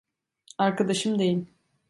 Arkadaşım değil.